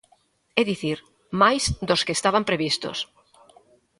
É dicir, máis dos que estaban previstos.